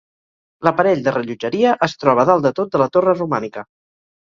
L'aparell de rellotgeria es troba dalt de tot de la torre romànica.